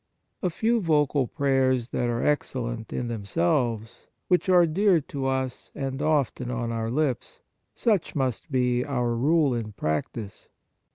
A. few vocal prayers that are excellent in themselves, which are dear to us and often on our lips such must be our rule in practice.